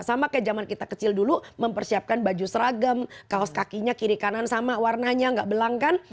sama kayak zaman kita kecil dulu mempersiapkan baju seragam kaos kakinya kiri kanan sama warnanya nggak belang kan